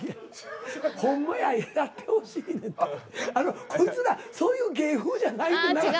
あのこいつらそういう芸風じゃないんで長澤。